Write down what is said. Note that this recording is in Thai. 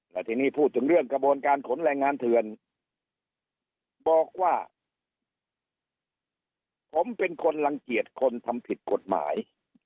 และทีนี้พูดถึงเรื่องกระบวนการขนแรงงานเถื่อนบอกว่าผมเป็นคนรังเกียจคนทำผิดกฎหมาย